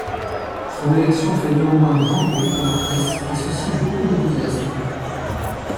Son élection fait néanmoins grand bruit dans la presse et suscite beaucoup d’enthousiasme.